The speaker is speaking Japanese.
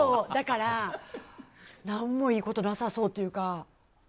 だから、何もいいことなさそうっていうか。